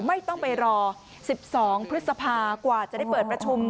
ไม่ต้องไปรอ๑๒พฤษภากว่าจะได้เปิดประชุม